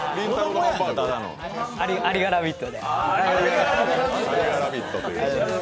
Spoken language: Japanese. ありがラヴィット！です。